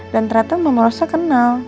dan ternyata mama rosa kenal